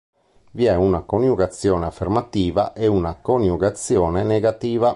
Vi è una coniugazione affermativa e una coniugazione negativa.